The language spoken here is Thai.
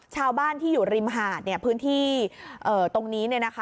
ชาวบ้านที่อยู่ริมหาดพื้นที่ตรงนี้